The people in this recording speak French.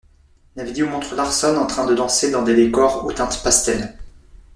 La vidéo montre Larsson en train de danser dans des décors aux teintes pastel.